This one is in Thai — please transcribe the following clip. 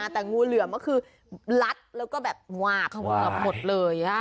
แต่งูเหลือมก็คือลัดแล้วก็แบบว่าเขมือบหมดเลย